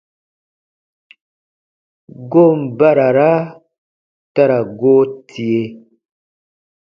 Goon barara ta ra goo tie.